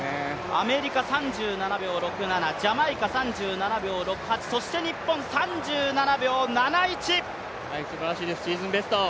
アメリカ、３７秒６７、ジャマイカ３７秒６８すばらしいですシーズンベスト。